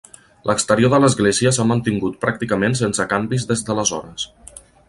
L'exterior de l'església s'ha mantingut pràcticament sense canvis des d'aleshores.